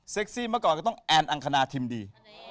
ซี่เมื่อก่อนก็ต้องแอนอังคณาทิมดี